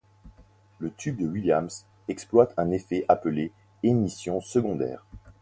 Le tube de Williams exploite un effet appelé émission secondaire.